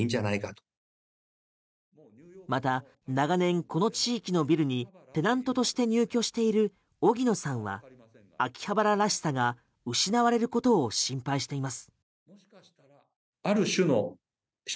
また、長年この地域のビルにテナントとして入居している荻野さんは秋葉原らしさが失われることを心配しています。